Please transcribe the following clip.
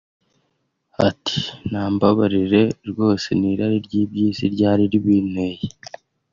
Ati “Nambabarire rwose n’irari ry’iby’isi ryari ribinteye